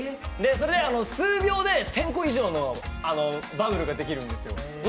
それで数秒で１０００個以上のバブルができるんですよ。